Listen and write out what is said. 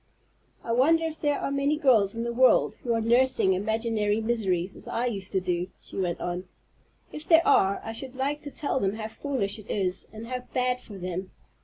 "I wonder if there are many girls in the world who are nursing imaginary miseries as I used to do," she went on. "If there are, I should like to tell them how foolish it is, and how bad for them.